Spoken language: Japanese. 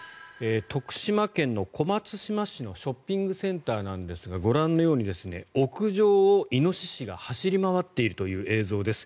徳島県の小松島市のショッピングセンターなんですがご覧のように屋上をイノシシが走り回っているという映像です。